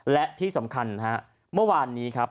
และที่สำคัญฮะเมื่อวานนี้ครับ